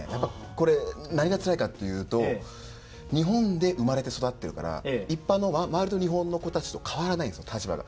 これ何がつらいかというと日本で生まれて育ってるから一般の周りの日本の子たちと変わらないんですよ立場が。